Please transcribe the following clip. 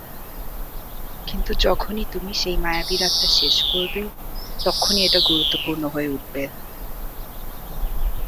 কিন্তু যখনই তুমি সেই মায়াবী রাতটা শেষ করবে, তখনই এটা গুরুত্বপূর্ণ হয়ে উঠবে।